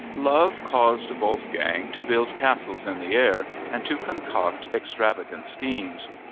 Love caused Wolfgang to build castles in the air and to concoct extravagant schemes.